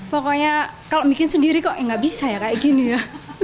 pokoknya kalau bikin sendiri kok ya nggak bisa ya kayak gini ya